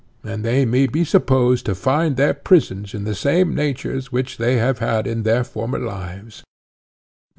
And they may be supposed to find their prisons in the same natures which they have had in their former lives.